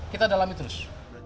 kita dalami terus